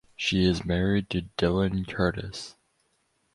She is married to Dylan Curtis.